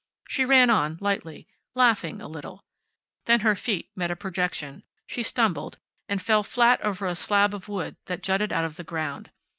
She ran on lightly, laughing a little. Then her feet met a projection, she stumbled, and fell flat over a slab of wood that jutted out of the ground.